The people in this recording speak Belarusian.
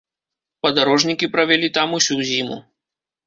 Падарожнікі правялі там усю зіму.